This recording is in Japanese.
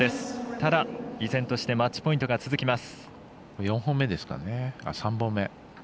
ただ、依然としてマッチポイントが続きます。